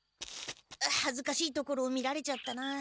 はずかしいところを見られちゃったな。